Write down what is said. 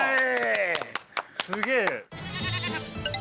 すげえ。